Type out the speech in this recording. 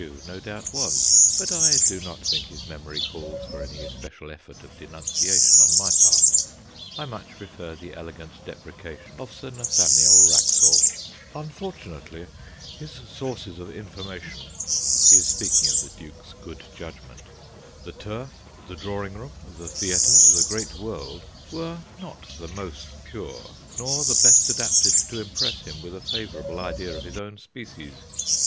no doubt was, but I do not think his memory calls for any especial effort of denunciation on my part. I much prefer the elegant deprecation of Sir Nathaniel Wraxall :' Unfortunately, his sources of information' he is speaking of the Duke's good judgment 'the turf, the drawing room, the theatre, the great world, were not the most pure, nor the best adapted to impress him with a favourable idea of his own species.'